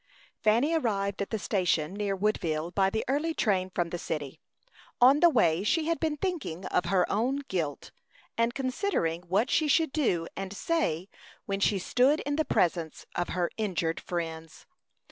Fanny arrived at the station near Woodville by the early train from the city. On the way, she had been thinking of her own guilt, and considering what she should do and say when she stood in the presence of her injured friends.